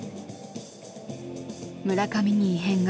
村上に異変が。